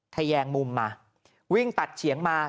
แยงมุมมาวิ่งตัดเฉียงมา